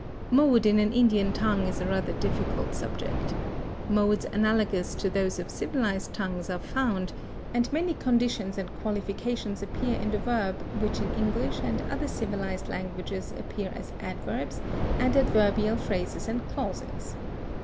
Mode in an Indian tongue is a rather difficult subject. Modes analogous to those of civilized tongues are found, and many conditions and qualifications appear in the verb which in English and other civilized languages appear as adverbs, and adverbial phrases and clauses.